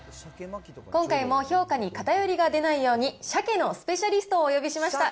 今回も評価に偏りが出ないように、鮭のスペシャリストをお呼びしました。